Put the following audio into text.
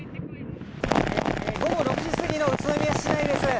午後６時過ぎの宇都宮市内です。